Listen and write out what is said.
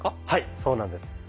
はいそうなんです。